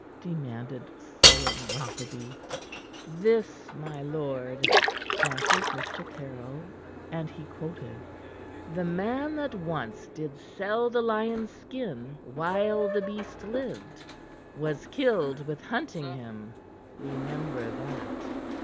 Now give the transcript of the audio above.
demanded sullen Rotherby. "This, my lord," answered Mr. Caryll, and he quoted: "'The man that once did sell the lion's skin while the beast lived, was killed with hunting him. Remember that!"'